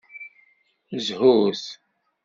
Zhut!